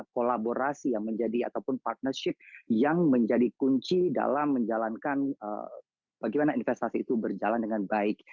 kolaborasi yang menjadi ataupun partnership yang menjadi kunci dalam menjalankan bagaimana investasi itu berjalan dengan baik